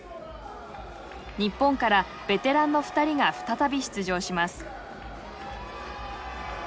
日本からベテランの２人が再び出場します。